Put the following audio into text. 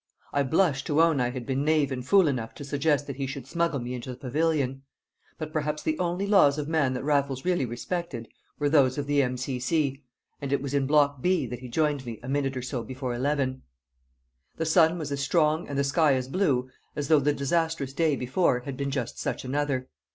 I blush to own I had been knave and fool enough to suggest that he should smuggle me into the pavilion; but perhaps the only laws of man that Raffles really respected were those of the M.C.C., and it was in Block B. that he joined me a minute or so before eleven. The sun was as strong and the sky as blue as though the disastrous day before had been just such another.